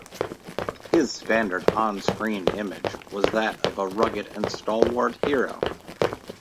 His standard on-screen image was that of the rugged and stalwart hero.